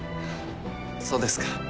そうですか。